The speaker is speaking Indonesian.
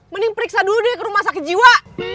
mending periksa dulu dek rumah sakit jiwa